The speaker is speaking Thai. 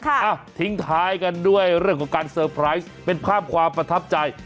อ่ะทิ้งท้ายกันด้วยเรื่องของการเซอร์ไพรส์เป็นภาพความประทับใจ